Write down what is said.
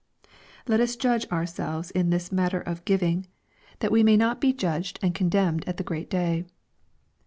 Let us judge ourselves in this matter of giving, that w* LUKE, CHAP. XXI. 353 may not be judged and condemned at the great day.